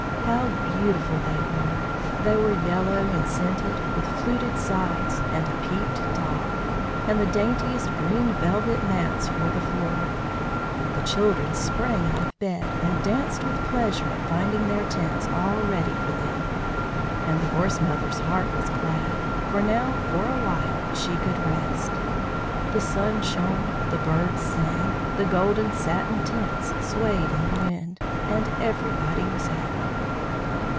How beautiful they were! They were yellow and scented, with fluted sides, and a peaked top, and the daintiest green velvet mats for the floor. The children sprang out of bed and danced with pleasure at finding their tents all ready for them. And the Gorse Mother's heart was glad, for now for a while she could rest. The sun shone, the birds sang, the golden satin tents swayed in the wind, and everybody was happy.